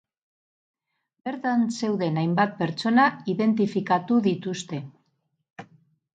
Bertan zeuden hainbat pertsona identifikatu dituzte.